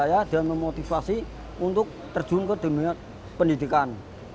jadi saya berusaha untuk mencari motivasi untuk terjun ke terminal pendidikan